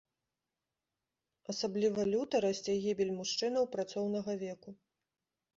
Асабліва люта расце гібель мужчынаў працоўнага веку.